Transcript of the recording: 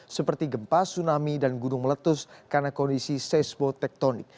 seperti gempa tsunami dan gunung meletus karena kondisi seisbo tektonik